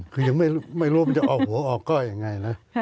คือยังไม่รู้มันจะออกหัวออกก้อยยังไงนะ